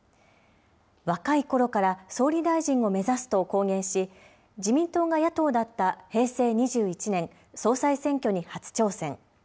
若いころから総理大臣を目指すと公言し、自民党が野党だった平成２１年、総裁選挙に初挑戦。